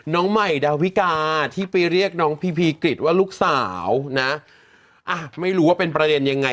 น้องใหม่ดาวิกาที่ไปเรียกน้องพีพีกริจว่าลูกสาวนะอ่ะไม่รู้ว่าเป็นประเด็นยังไง